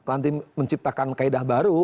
nanti menciptakan kaedah baru